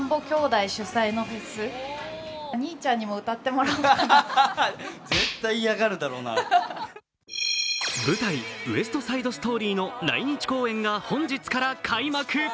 もし当選したら舞台「ウエスト・サイド・ストーリー」の来日公演が本日から開幕。